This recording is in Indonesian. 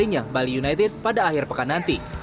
nya bali united pada akhir pekan nanti